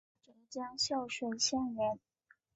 浙江秀水县人。